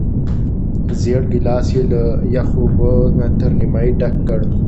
زېړ ګیلاس یې له یخو اوبو نه تر نیمايي ډک کړ.